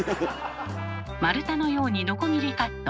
丸太のようにノコギリカット。